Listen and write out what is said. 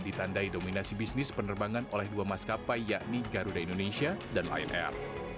ditandai dominasi bisnis penerbangan oleh dua maskapai yakni garuda indonesia dan lion air